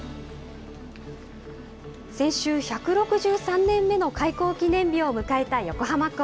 先週、１６３年目の開港記念日を迎えた横浜港。